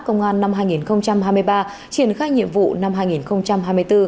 công an năm hai nghìn hai mươi ba triển khai nhiệm vụ năm hai nghìn hai mươi bốn